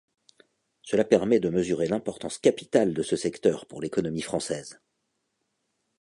Cela permet de mesurer l'importance capitale de ce secteur pour l'économie française.